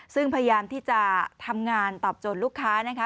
ซึ่งพยายามที่จะทำงานตอบโจทย์ลูกค้านะคะ